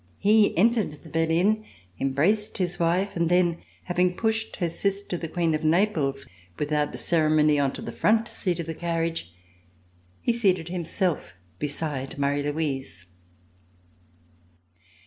He entered the berline, embraced his wife, and then having pushed her sister, the Queen of Naples, without ceremony onto the front seat of the carriage, he seated himself beside Marie Louise.